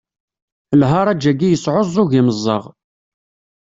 Lharaǧ-agi yesɛuẓẓug imeẓaɣ.